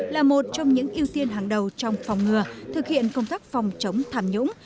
là một trong những ưu tiên hàng đầu trong phòng ngừa thực hiện công tác phòng chống tham nhũng